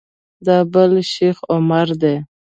دا بل شیخ عمر دی.